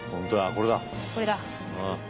これだ。